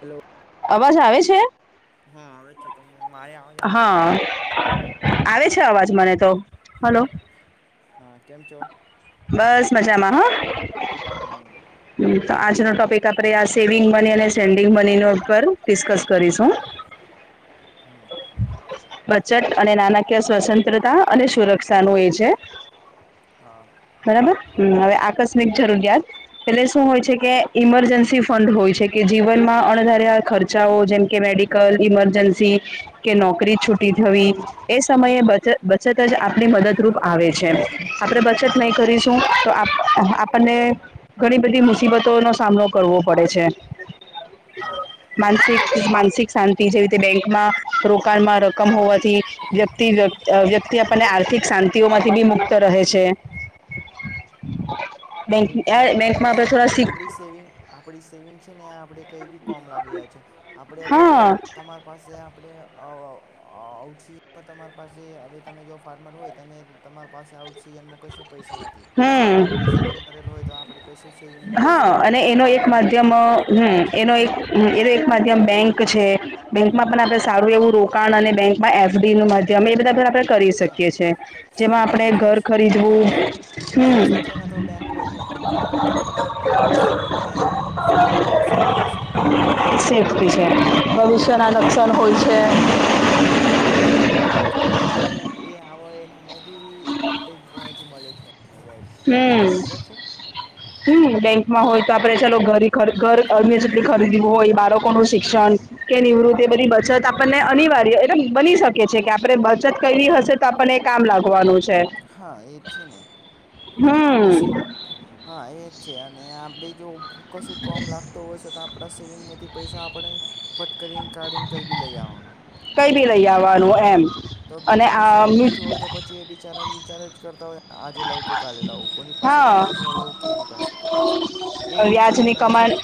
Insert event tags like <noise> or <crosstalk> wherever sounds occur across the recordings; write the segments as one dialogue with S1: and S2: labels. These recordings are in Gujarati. S1: હેલો.
S2: અવાજ આવે છે.
S1: હા આવે છે તમે મારે આવજ આવે છે.
S2: હા આવે છે અવાજ મને તો. હલો.
S1: હમ હા કેમ છો.
S2: બસ મજામાં હો.
S1: હમ.
S2: તો આજનો ટોપિક આપડે આ સેવિંગ મની અને સેન્ડિંગ મની ની ઉપર ડિસ્કસ. કરીશું
S1: હા.
S2: બચત અને નાણાકીય સ્વસત્રતા અને સુરક્ષાનું એ છે.
S1: હા.
S2: બરાબર હમ હવે આકસ્મિક જરૂરિયાત. એટલે શું હોય છે કે ઈમરજન્સી ફંડ હોય છે કે જીવનમાં અણધાર્યા ખર્ચાઓ જેમકે મેડિક. ઇમરજન્સી કે નોકરી છુટી થવી. એ સમયે બચ બચત જ આપણી મદદરૂપ આવે છે આપડે
S1: હા
S2: બચત
S1: એ
S2: નહી
S1: બી
S2: કરીશ. તો આપણને ઘણી બધી મુસીબતો નો સામનો કરવો પડે છે.
S1: હા
S2: માનસિક માનસિક શાંતિ જેવી રીતે બેંકમાં રોકાણમાં રકમ હોવાથી વ્યક્તિ વ્યક્તિ આપણને આર્થિક શાંતિઓમાંથી બી મુક્ત રહે છે. <inaudible>
S1: એ જે
S2: બેંકમાં
S1: અમારી
S2: આપણે
S1: સે
S2: થોડા શીખ
S1: આપણી સેવિંગ આપણી સેવિંગ છે ને આપણે કંઈ બી કોમ લાગી જ છે આપણે હવે જો
S2: હા
S1: તમાર પાસે આપણેછી તમારી પાસે હવે તમે જો ફાર્મર હોય તમે તમારી પાસે આઉટ સિજનમાં કશ પૈસા નથી તો
S2: હમ
S1: આપણે સેવિંગ કરેલું હોય તો આપણે કશું છે.
S2: હા અને એનો એક માધ્યમ
S1: કરતા
S2: હમ
S1: આવે છે.
S2: એનો એક એ તો એક માધ્યમ બેંક છે બેંકમાં પણ આપડે સારું એવું રોકાણ અને બેંકમાં એફડી નું માધ્યમ અમે બધા આપણે કરી
S1: હા
S2: શકીએ છે
S1: સ
S2: જેમાં આપણે ઘર
S1: સસ
S2: ખરીદવું હમ
S1: સહસા છે ને તો બેંકમાં જ મૂકવાનું કારણ કે છે
S2: <inaudible>
S1: ને સેવિંગ બેંકમાં મૂકશો ને તો સેપ રહેશે
S2: <unintelligible> કરી છે.
S1: અને
S2: ભવિષ્યના
S1: અને
S2: લક્ષણ હોય
S1: આપણે
S2: છે.
S1: એ બેંકમાં જ કોઈ એ આવે એનામાં બી આપે વેજ મળે છે વેજ વેજ એટલે
S2: હમ
S1: ખબર છે
S2: હમ બેંકમાં હોય તો આપડે ચાલો ઘરે ઘર અ્ય સુટી ખરીદીવું હોય બાળકો નું શિક્ષણ કે નિવૃત્ત એ બધી બચત આપણને અનિવાર્ય એટલે બની શકે છે કે આપણે બચત કરલી હશે તોઞઆપણને કામ લાગવાનું છે.
S1: હા એ જ છે ને, હની સે
S2: હમ
S1: હા એ જ છે અને આપણે જો કશું કામ લાગે હોય છે તો આપણા સેવિંગમાંથી પૈસા આપણે, ફટ કરીને કાઢીને કઈ બી લઈ આવના.
S2: કઈ
S1: તો
S2: બી લઈ આવવાનું
S1: હા
S2: એમ
S1: તો
S2: અને
S1: બીજાની
S2: આ
S1: સેવિંગ નથી હોય તો પછી એ બિચારા વિચાર જ કરતા હોય આજે લાવું કે કાલે લાવું. કોની પાસેથી
S2: હા
S1: પૈસા લઉં કે એની પાસેથી પૈસા લઉં, એ જ વિચાર કરે છે ને?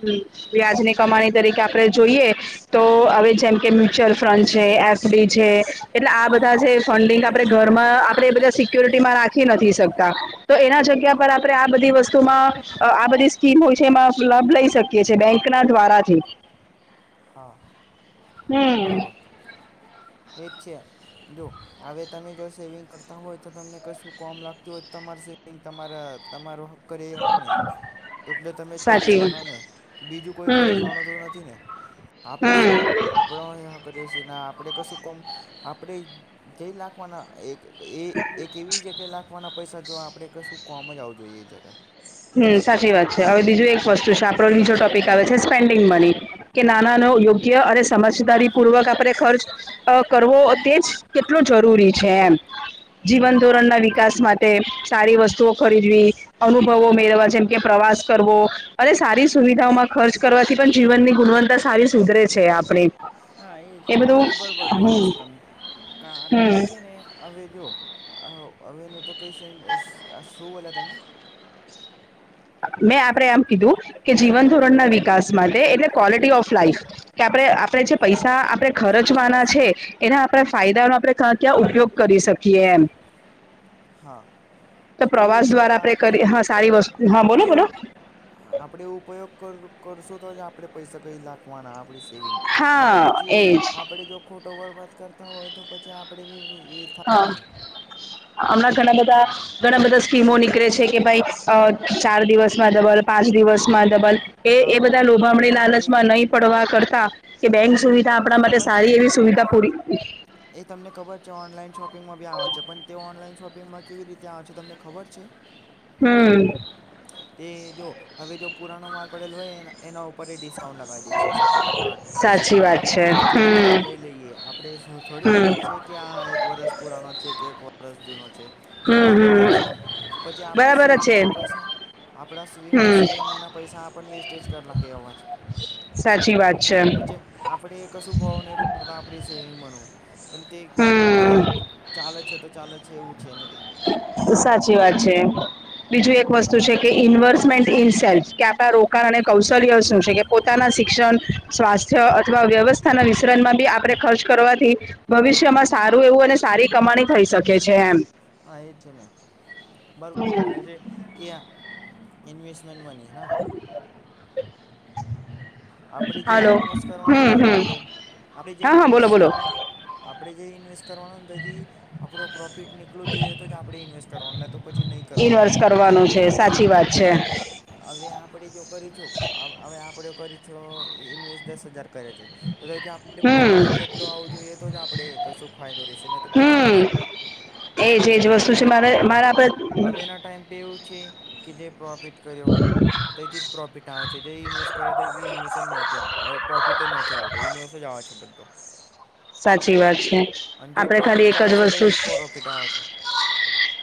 S2: હમ, વ્યાજની કમાણી તરીકે આપણે જોઈએ. તો હવે જેમ કે મ્યુચ્યુઅલ ફંડ છે એફડી છે, એટલે આ બધા જે ફંડિંગ આપણે ઘરમાં આપણે એ બધા સિક્યોરિટીમાં રાખી નથી શકતું. તો, એના જગ્યા પર આપણે આ બધી વસ્તુમાં આ બધી સ્કીમ હોય છે એમાં લાભ લઈ શકીએ બેંક ના દ્વારાથી.
S1: હા
S2: હમ
S1: બરાબર એ જ છે જો. હવે તમે જો સેવિંગ કરતા હોય તો તમને કશું કોમ લાગતું હોય તમાર સેવિંગ તમારા તમારો. કરી લેવાનું ને એટલે તમે જ
S2: સાચી વાત
S1: ખર્ચવાના ને બીજું કોઈ ખર્ચવાનું
S2: હમ
S1: તો નથી ને. આપડી
S2: હમ
S1: સેવિંગ આપણો એ કર્યો છે આપણે કશું કોમ આપણે જે લખવાના એક એ એક એવી જગ્યાએ નાખવાના પૈસા જો આપણે કે શું કોમ જ આવું જોઈએ એ જગ્યાએ
S2: હમ સાચી વાત છે હવે બીજું એક વસ્તુ છે આપણો બીજો ટોપિક આવે છે સ્પેન્ડિંગ મની. કે નાના નો યોગ્ય અને સમજદારી પૂર્વક આપણો ખર્ચ અ કરવો તેજ કેટલો જરૂરી છે એમ. જીવન
S1: હમ
S2: ધોરણ ના વિકાસ માટે સારી વસ્તુઓ ખરીદવી. મેળવા જેમ કે પ્રવાસ કરવો, અને સારી સુવિધાઓમાં ખર્ચ કરવાથી પણ જીવનની ગુણવતા સારી સુધરે છે આપણી.
S1: હા એ જ
S2: બધું
S1: એ બરાબર બોલે
S2: હમ
S1: છે તમે, કારણ કે
S2: હમ
S1: છે ને હવેે જોવો હવેનું તો કઈ શું બોલા તમે?
S2: મેં આપણે એમ કીધું, કે જીવન ધોરણ ના વિકાસ માટે એટલે ક્વોલિટી ઓફ લાઈફ. કે આપણે આપણે જે પૈસા આપણેે ખર્ચવાના છે. એના આપણે ફાયદાનો આપણે ક્યાં ક્યાં ઉપયોગ કરી શકીએ એમ.
S1: હા.
S2: તો
S1: એ
S2: પ્રવાસ
S1: છે ને
S2: દ્વારા આપડે
S1: આપણે
S2: કરી હા સારી વસ્તુ હા બોલો બોલો.
S1: હા આપડે ઉપયોગ કર કરશું તો આપડે પૈસા કઈ લાગ. આપડી સેવિંગ ન
S2: હા
S1: તો પછી
S2: એજ
S1: આપણે જો. ખોટો બરબાદ કરતા હોય તો પછી આપડે બી ભી એ.
S2: હા
S1: થાય ને
S2: હમણાં ઘણા બધા. ઘણા બધા સ્કીમો નીકળે છે કે ભાઈ ચાર દિવસમાં ડબલ પાંચ દિવસ. માં ડબલ
S1: હા
S2: એ એ
S1: હા
S2: બધા
S1: હા
S2: લોભામણી
S1: એ
S2: લાલચમાં નહીં પડવા કરતા. કે બેંક
S1: એ
S2: સુવિધા
S1: તમને
S2: આપણા માટે
S1: ખબર છે
S2: સારી એવી સુવિધા પૂરી.
S1: એ તમને ખબર છે ઓનલાઈન શોપિંગમાં બી આવે છે પણ તે ઓનલાઈન શોપિંગમાં કેવી રીતે આવે છે તમને ખબર છે.
S2: હમ.
S1: તે જો હવે જો પુરાણો માલ પડેલો હોય ન એના ઉપર રે ડિસ્કાઉન્ટ લગાવી દઈ છે સત્તર ટકા એસ્સી
S2: સાચી
S1: ટકા
S2: વાત છે
S1: પછી આપડે
S2: હમ
S1: લઈ લઈએ આપણેે શું થોડી
S2: હમ
S1: ખબર છે કે આ એક વરષ પુરાનો છે કે એક વરષ જૂનો છે. એ તો
S2: હમ
S1: બરોબર
S2: હમ
S1: છે ને પછી આપણે
S2: બરાબર
S1: સેવિંગ
S2: જ છે
S1: ના પૈસા આપડા સેવિં
S2: હમ
S1: સેવિંગ. એના પૈસા આપણને વેસ્ટેજ કરલા કે એવા છે.
S2: સાચી વાત છે.
S1: આપણે કશું ભાવ નહીં પડતા આપણી સેવિંગમાંનો. પણ તે
S2: હમ
S1: હોય પણ ચાલ જ છે તો ચાલ જ છે એવું છે ને, તે
S2: સાચી વાત છે બીજું
S1: હા
S2: એક વસ્તુ શું કે ઇન્વર્મેન્ટ ઇન સેલ્ફ કે આપણા રોકાણ અને કૌશલ્ય શું છે, કે પોતાના શિક્ષણ સ્વાસ્થ્ય અથવા વ્યવસ્થાના વિશરણમાં બી આપણે ખર્ચ કરવાથી. ભવિષ્યમાં સારું એવું અને સારી કમાણી થઈ શકે છે, એમ
S1: હા એ છે ને બરોબર બોલે છે. કે ઇન્વેસ્ટમેન્ટ મની હે. આપણે જે
S2: હલો
S1: ઇન્વેસ્ટ કરવાનુંને
S2: હમ હમ
S1: હલો આપણે
S2: હા
S1: જે
S2: હા બોલો
S1: ઇન્વેસ્ટ
S2: બોલો
S1: કરવાનું. આપણે જે ઇન્વેસ્ટ કરવાનો ને તેથી આપણો પ્રોફિટ ની. એટલું જ જોઈએ તો જ આપણે ઇન્વેસ્ટ કરવાનું તો પછી નહીં કરવાનું
S2: ઇન્વેસ્ટ
S1: જો
S2: કરવાનું છે
S1: હવે
S2: સાચી વાત છે
S1: હવે. હવે આપણે જો કર્યું છું હવે આપણે કરી છું ઇન્વેસ્ટ દસ હજાર કરે છે. તો તો એ આપણે
S2: હમ
S1: પ્રોફિટ એટલું આવવું જોઈએ તો જ આપડે કશું ફાયદો રહેશે તો પછી
S2: હમ
S1: કશું નહી.
S2: <inaudible> વસ્તુ
S1: એ જો
S2: છે મારે મારા આપડે
S1: હવ હવેના ટાઈમ પે એવું છે કે જે પ્રોફિટ કર્યો તેથી જ પ્રોફિટ આવે છે જે ઇન્વેસ્ટ કર્યા. ઇન્વેસ્ટ નથી પ્રોફિટ જ નથી આવતોું ઇન્વેસ્ટ જ આવે છે બધો.
S2: સાચી વાત છે
S1: અને જે
S2: આપડે
S1: પ્રોફિટ
S2: ખાલી એક
S1: ચાલે
S2: જ
S1: છે
S2: વસ્તુ
S1: તેથી પ્રોફિટ આવે છે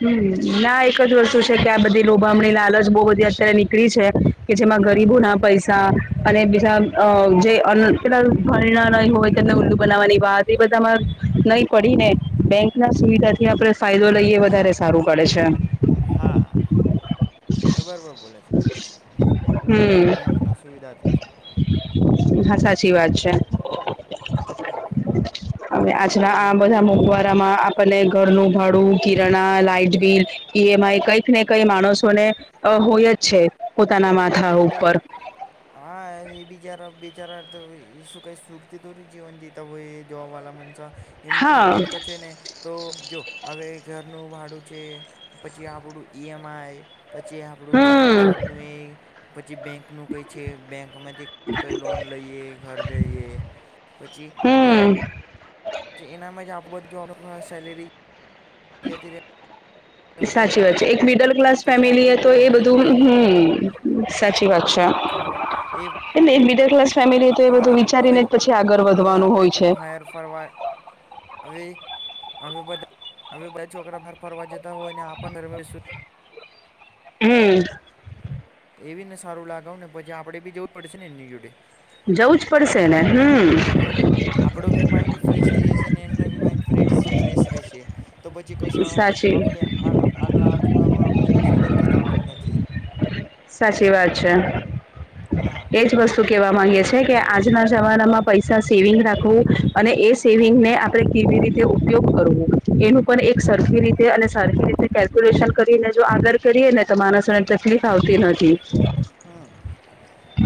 S2: હમ ના એક જ વસ્તુ છે કે આ બધી લોભામણી લાલચ બહુ બધી અત્યારે નીકળી છે. કે જેમાં
S1: હા
S2: ગરીબો ના પૈસા અને બીજા અ જે અન કેટ ઘરેણા હોય તેમને ઊંલુ બનાવવાની વા એ બધામાં નહી પડીને બેંક ના સુવિધા થી આપણે ફાયદો લઈએ વધારે સારું પડે છેમ
S1: હા બરોબર બોલે છે ત
S2: હમ
S1: એના સુવિધા તી થયા
S2: હા સાચ સાચી વાત છે
S1: હા એ
S2: આજલા આ બધા મોંઘવારી. આપળા આપને ઘરનું ભાડું કિરણા લાઈટ બિલ ઈએમ આઈ કઈક ને કઈ માણસો ને. અ હોય જ છે પોતાના માથા
S1: હા તો
S2: ઉપર
S1: હા એ બિચારા બિચારા તો શું કઈ સુખતી તો ન જીવન જીતા હોય. જોવા વાલા મનસા એમની
S2: હા
S1: ઉપર તો છે ને. તો જો હવે ઘરનું ભાડું છે પછી આપણું ઈ એમ આઈ પછી. આપણો ડેબિટ
S2: હમ
S1: કાર્ડને પછી બેંક નું કઈ છે બેંક માંથી કઈ લોન લઈએ ઘર દઈએ પછી એ જ
S2: હમ
S1: જે એનામાં જ આપધ <inaudible> જો સેલેરી જતી રહેવાની
S2: સાચી વાત છે એક મિડલ ક્લાસ
S1: પછી
S2: ફેમિલી
S1: આપણે
S2: એ તો
S1: હું
S2: એ
S1: રહેવાનું
S2: બધું
S1: એનામાંથી
S2: હમ સાચી વાત છે
S1: ખાવા એ
S2: એટલે એક મિડલ ક્લાસ ફેમિલી તો એ
S1: હા
S2: બધું
S1: હવે
S2: વિચારીને જ પછી આગળ
S1: હવે
S2: વધવાનું
S1: આપણે
S2: હોય
S1: કઈ
S2: છે
S1: બાહેર ફરવા હવે હવે બધા હવે બધા છોકરા બાર ફરવા જતા હોય અને આપણે ઘરે
S2: હમ.
S1: તો એવી ને સારું લાગાવ ને પછી આપડે બી જવું પડશે ને એમની જોડે
S2: જવું જ પડશે ને હમ
S1: હા ના આપડો બી માઈન્ડ ફ્રેશ થઈ જશે અને એમનો બી માઇન્ડ ફ્રેશ રહેશે તો પછી કશું
S2: સાચી
S1: આપણે આગ આગલા અઠવાડિયામાં આપણે કશું દિક્કત આવવાની નથી.
S2: સાચી વાત છે.
S1: હા
S2: એજ વસ્તુ શું કેહેવા માંગીએ છે કે આજના જમાનામાં પૈસા સેવિંગ રાખવું અને એ સેવિંગને આપણે કેવી રીતે ઉપયોગ કરવો એનું પણ એક સરખી રીતે અને સરખી રીતે. કેલ્ક્યુલેશન કરીને જો આગળ કરીએ ને તો માણસ ને તકલીફ આવતી નથી.
S1: હમ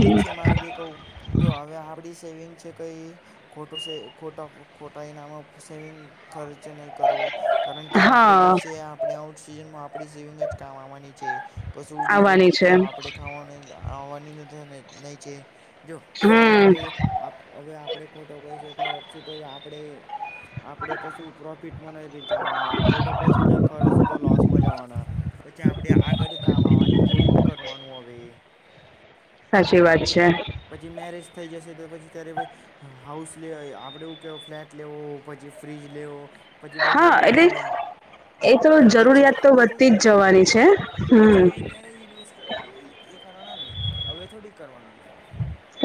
S1: નીચે મારું બી કહું જો હવે આપડી સેવિંગ છે કઈ ખોટો ખોટા ખોટા ઈનામ સેવિંગ ખર્ચ નહી કરો. કારણ કે આપણે જો
S2: હા
S1: છે આપણે આઉટ સિઝનમાં આપણી સેવિંગ જ કમાવાની છે. કશું બીજો
S2: આવવાની છે
S1: કોઈ આપડે વા નહી છે જો હવે
S2: હમ
S1: આપણે હવે આપણે ખોટો પૈસો ખર્ચશું તો આપણે આપડે કશું પ્રોફિટમાં ન ચાલવાના ખોટો પૈસો જ ખર્ચશું તો લોસમાં જવાના. પછી આપણેે આગળ કામ આવવાની કેવું કરવાનું હવે.
S2: સાચી વાત છે.
S1: પછી મેરેજ થઈ જશે તો પછી ત્યારે હાઉસ લે આપડે એવું કેવ ફ્લેટ લેવો પછી ફ્રીજ લેવો. પછી
S2: હા
S1: બધું
S2: એટલે
S1: લેવાનું
S2: તો
S1: એ છે
S2: જરૂરિયાત તો
S1: પછી
S2: વધતી જ જવાની છે હમ
S1: પછી એ ત્યારે યુનિવર્સિ એ કરવાના ને હવે થોડીક કરવાનું એ.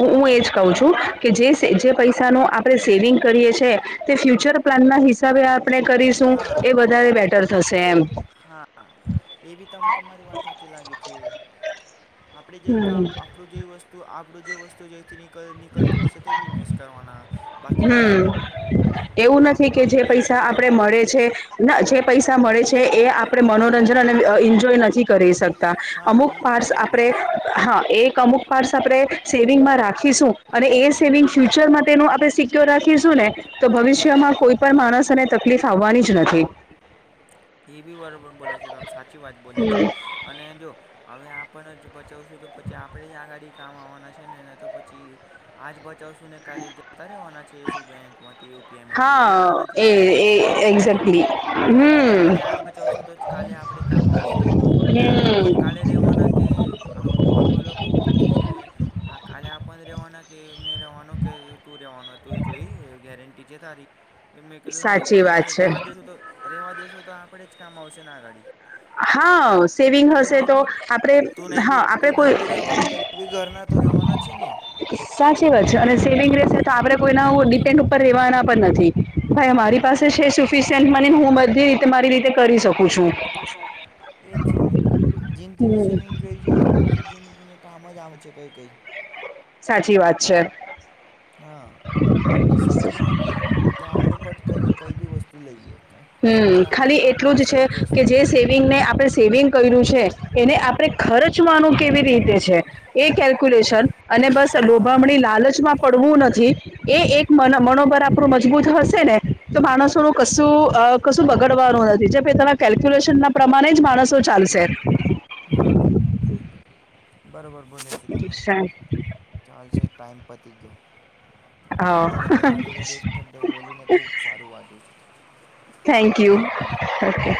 S2: હ હું એજ કહું છું કે જે જે પૈસાનો આપણે સેવિંગ કરીએ છે તે ફ્યુચર. પ્લાન ના હિસાબે આપણે કરીશું એ
S1: હા
S2: વધારે બેટર થશે એમ.
S1: હા એ બી તમ તમારી વાત સાચી લાગી છે આપડે જે કામ. આપણું જે વસ્તુ આપણું જે વસ્તુ જેથી. નિકલતું હશે તો ઇન્વેસ્ટ કરના બાકી
S2: હમ એવું નથી
S1: અમુક
S2: કે
S1: અમુક
S2: જે
S1: જગ્યાએ
S2: પૈસા
S1: નહીં
S2: આપડે
S1: કરવાનું
S2: મળે છે. ના જે પૈસા મળે છે એ આપડે મનોરંજન અને એન્જોય નથી. કરી શકતા
S1: હા એ
S2: અમુક પાર્ટ
S1: બરોબર
S2: આપણે
S1: બોલે છે તમે
S2: હા એક અમુક આપણે સેવિંગમાં રાખીશું અને એ સેવિંગ ફ્યુચરમાં તેનો આપણે સિક્યોર શું ને તો
S1: શું રે
S2: ભવિષ્યમાં કોઈ પણ માણસ એને તકલીફ આવવાની જ નથી.
S1: એ બી બરોબર બોલે છે તો આમ સાચી વાત બોલે છે અને જો હવે આપણ જ બચાવશું તો પછી આપણે જ આગળ કામ આવવાના છે નઅને તો પછી આજ બચાવશું ને કાલે જતા રહેવાના છે શું બેંક માંથી યપીઆઈ માંથી ઉડી
S2: હા
S1: જવાના છે.
S2: એ
S1: શું
S2: એ
S1: જ છે ને
S2: એક્ઝેક્ટલી.
S1: આપણે
S2: હમ
S1: આપણે આજ બચાવશું તો જ કાલે આપણેે કામ આવશેને કાલે આપડને રહેવાના કે આ કોઈ કોઈ લોકો કે છે. હા કાલે આપણે રહેવાના કે મેં રેવાનું કે તું રેવાનું તું જોઈ ગેરંટી છે તારી એ મેં કીધું નહીં
S2: સાચી
S1: પણ
S2: વાત છે
S1: રહેવા દઈશું તો રહેવા દઈશું તો આપણે જ કામ આવશે ને આગળ
S2: હા સેવિંગ હશે તો
S1: બી
S2: આપણે હા આપણે કોઈ.
S1: ી ઘરના તો રવાના છે ને.
S2: સાચી વાત છે અને સેવિંગ રશે તો આપડે કોઈના ડિપેન્ડ ઉપર રેવાના પણ નથી. ભાઈ અમારી
S1: હા
S2: પાસે છે સુફિશિયન્ટ મને હું બધી રીતે મારી રીતે કરી શક.
S1: એજ છે ને જિંદગીની
S2: હમ
S1: સેવિંગ જોઈ છે. કારણ કે જેને તેને કામજ આમ છે કંઈ કંઈ.
S2: સાચી વાત છે.
S1: હા આપણી સેવિંગ હોય ને તો આપણે ફટ કરીને કંઈ બી વસ્તુ લઈએ ક.
S2: હમ ખાલી એટલું જ છે કે જે સેવિંગને આપણે સેવિંગ કર્યું છે એને.
S1: હમ
S2: ખર્ચવાનું કેવી રીતે એ. અને બસ લોભામણી
S1: હા
S2: લાલચમાં. પડવું નથી એ એક મનોબર આપણું મજબૂત હશે ને તો માણસોનુંું કશું અ કશું બગડવાનું નથી જે પોતાના કેલ્ક્યુલેશન ના પ્રમાણેજ માણસો ચાલશે.
S1: હા બરોબર બોલે છે તમે ચાલશે ટાઈમ પતી ગયો. મને
S2: હા
S1: તો મારી જોડે બે શબ્દ બોલીને ખુબ સારું વાંટ્યું છે.
S2: Thank you okay.